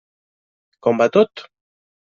Com va tot?